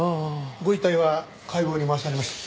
ご遺体は解剖に回されました。